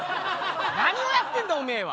何をやってんだおめえは！